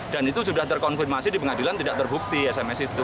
dan itu sudah terkonfirmasi di pengadilan tidak terbukti sms itu